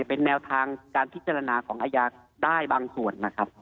เป็นแนวทางการพิจารณาของอาญาได้บางส่วนนะครับ